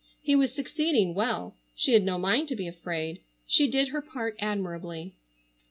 He was succeeding well. She had no mind to be afraid. She did her part admirably.